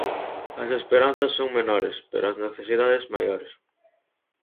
As esperanzas son menores, pero as necesidades, maiores.